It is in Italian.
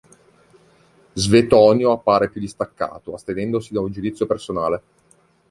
Svetonio appare più distaccato, astenendosi da un giudizio personale.